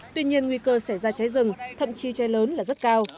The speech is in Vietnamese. tuy nhiên nguy cơ xảy ra cháy rừng thậm chí cháy lớn là rất cao